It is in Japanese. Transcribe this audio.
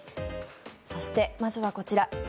そしてまずはこちら。